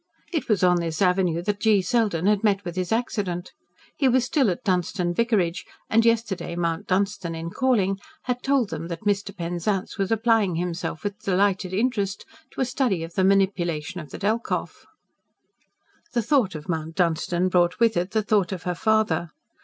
It was on this avenue that G. Selden had met with his accident. He was still at Dunstan vicarage, and yesterday Mount Dunstan, in calling, had told them that Mr. Penzance was applying himself with delighted interest to a study of the manipulation of the Delkoff. The thought of Mount Dunstan brought with it the thought of her father.